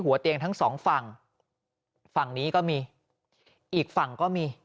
หัวเตียงทั้งสองฝั่งฝั่งนี้ก็มีอีกฝั่งก็มี